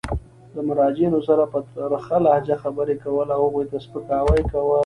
د مراجعینو سره په ترخه لهجه خبري کول او هغوی ته سپکاوی کول.